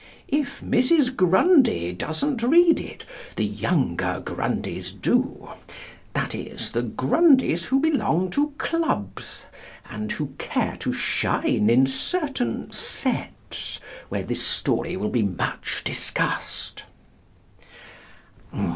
If Mrs. Grundy doesn't read it, the younger Grundies do; that is, the Grundies who belong to Clubs, and who care to shine in certain sets wherein this story will be much discussed.